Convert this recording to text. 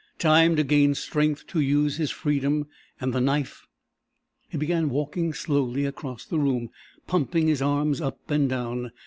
Time to gain strength to use his freedom and the knife? He began walking slowly across the room, pumping his arms up and down.